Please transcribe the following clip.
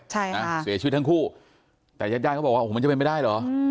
เสียชีวิตทั้งคู่แต่ยังไงก็บอกว่ามันจะเป็นไม่ได้หรอ